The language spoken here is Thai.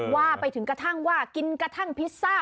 ว่าไปถึงกระทั่งว่ากินกระทั่งพิซซ่า